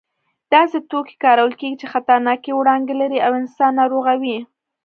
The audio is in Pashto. داسې توکي کارول کېږي چې خطرناکې وړانګې لري او انسان ناروغوي.